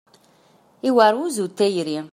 Yewɛer wuzzu n tayri.